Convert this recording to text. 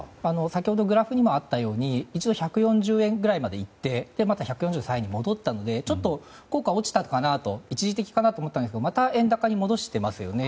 先ほどのグラフにもあったように一度１４０円ぐらいまでいってまた１４３円に戻ったのでちょっと効果は落ちたのかなと一時的かなと思ったんですがまた、円高に戻していますよね。